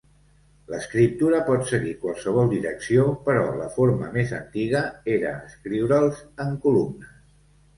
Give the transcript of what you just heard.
L'escriptura pot seguir qualsevol direcció, però la forma més antiga era escriure'ls en columnes.